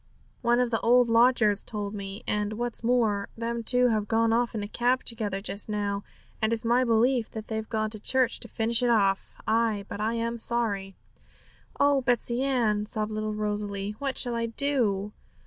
One of the lodgers told me; and, what's more, them two have gone off in a cab together just now, and it's my belief that they've gone to church to finish it off. Ay, but I am sorry!' 'Oh, Betsey Ann,' sobbed little Rosalie, 'what shall I do?'